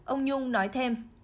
ông nhung nói thêm